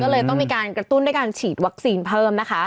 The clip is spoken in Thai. ก็เลยต้องมีการกระตุ้นด้วยการฉีดวัคซีนเพิ่มนะคะ